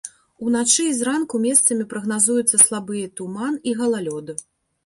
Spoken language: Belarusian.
Уначы і зранку месцамі прагназуюцца слабыя туман і галалёд.